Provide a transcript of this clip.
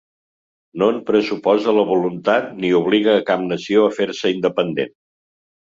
No en pressuposa la voluntat ni obliga cap nació a fer-se independent.